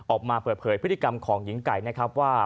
ออกมาเปิดเผยพฤติกรรมของหญิงไก่นะครับว่า